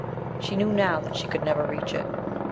She knew now that she could never reach it.